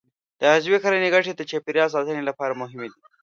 د عضوي کرنې ګټې د چاپېریال ساتنې لپاره مهمې دي.